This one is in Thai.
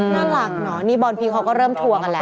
น่ารักเนอะนี่บอลพีชเขาก็เริ่มทัวร์กันแล้ว